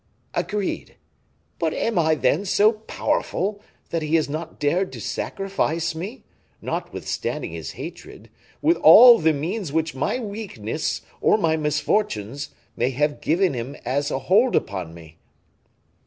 "Agreed. But am I, then, so powerful, that he has not dared to sacrifice me, notwithstanding his hatred, with all the means which my weakness, or my misfortunes, may have given him as a hold upon me?"